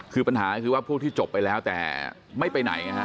คือปัญหาก็คือว่าพวกที่จบไปแล้วแต่ไม่ไปไหนไงฮะ